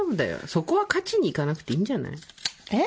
そこは勝ちに行かなくていいんじゃない。え？